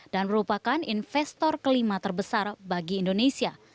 dan merupakan investor kelima terbesar bagi indonesia